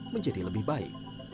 menjadi lebih baik